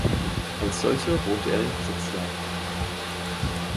Als solcher wohnte er in Fritzlar.